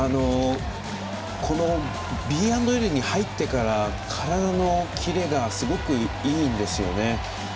このエリアに入ってから体のキレがすごいいいんですよね。